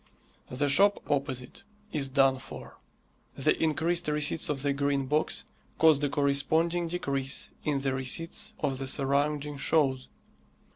The shop opposite is done for. The increased receipts of the Green Box caused a corresponding decrease in the receipts of the surrounding shows.